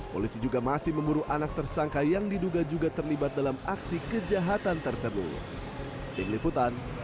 polisi juga masih memburu anak tersangka yang diduga juga terlibat dalam aksi kejahatan tersebut